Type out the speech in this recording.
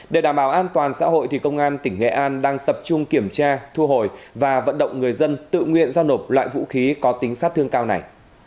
để đảm bảo an toàn xã hội công an tỉnh nghệ an đang tập trung kiểm tra thu hồi và vận động người dân tự nguyện giao nộp lại vũ khí có tính sát thương cao này